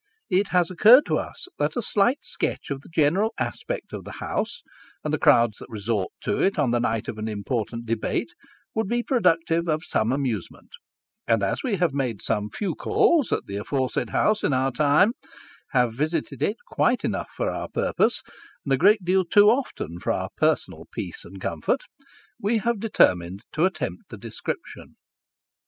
It has occurred to us that a slight sketch of the general aspect of " the House," and the crowds that resort to it on the night of an important debate, would be productive of some amusement : and as we have made some few calls at the aforesaid house in our time have visited it quite often enough for our purpose, and a great deal too often for our own personal peace and comfort we have determined to attempt the description.